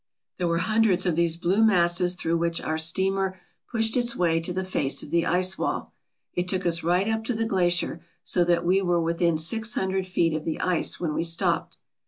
There were hundreds of these blue masses through which our steamer pushed its way to the face of the ice wall. It took us right up to the glacier, so that we were within six hundred feet of the ice when we stopped.